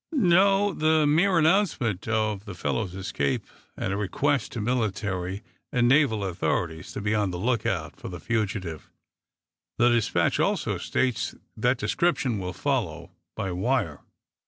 "No; the mere announcement of the fellow's escape, and a request to military and naval authorities to be on the lookout for the fugitive The despatch also states that description will follow by wire."